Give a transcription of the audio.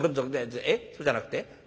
えっそうじゃなくて？